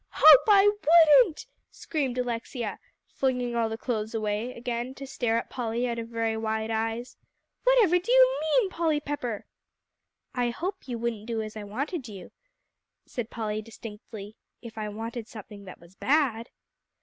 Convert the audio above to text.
"Hope I wouldn't!" screamed Alexia, flinging all the clothes away again to stare at Polly out of very wide eyes. "Whatever do you mean, Polly Pepper?" "I hope you wouldn't do as I wanted you to," said Polly distinctly, "if I wanted something that was bad."